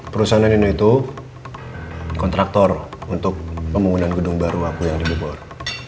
perusahaan lenindo itu kontraktor untuk pembangunan gedung baru aku yang di bogor